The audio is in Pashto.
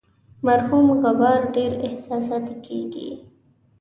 مرحوم غبار ډیر احساساتي کیږي.